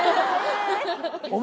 お前